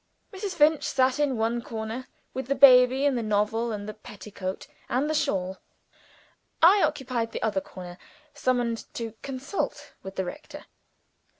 Mrs. Finch sat in one corner, with the baby and the novel, and the petticoat and the shawl. I occupied the other corner; summoned to "consult with the rector."